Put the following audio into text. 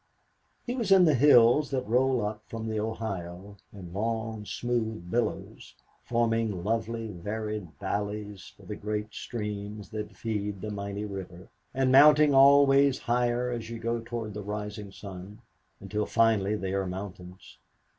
He was in the hills that roll up from the Ohio in long, smooth billows, forming lovely, varied valleys for the great streams that feed the mighty river, and mounting always higher as you go toward the rising sun, until finally they are mountains.